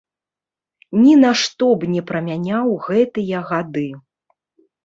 Ні на што б не прамяняў гэтыя гады.